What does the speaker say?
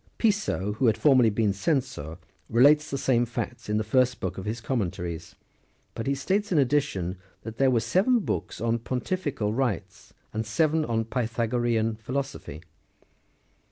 "32 Piso, who had formerly been censor, relates the same facts in the First Book of his Commentaries, but he states in addition, that there were seven books on Pontifical Eights, and seven on the Pythagorean philosophy.